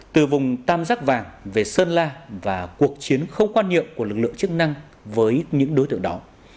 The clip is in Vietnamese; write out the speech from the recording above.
từ vùng tam giác vàng về sơn la và cuộc chiến không quan niệm của lực lượng chức năng với những đối tượng đó